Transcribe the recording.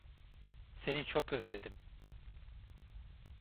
Seni çok özledim.